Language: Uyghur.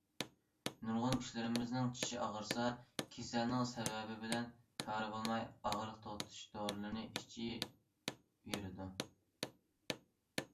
نۇرغۇن كىشىلىرىمىزنىڭ چىشى ئاغرىسا، كېسەلنىڭ سەۋەبى بىلەن كارى بولماي، ئاغرىق توختىتىش دورىلىرىنى ئىچىۋېرىدۇ.